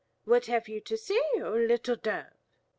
What have you to say, O little Dove?"